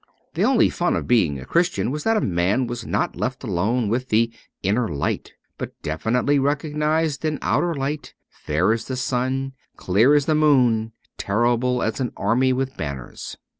The only fun of being a Christian was that a man was not left alone with the Inner Light, but definitely recognized an outer light, fair as the sun, clear as the moon, terrible as an army with banners.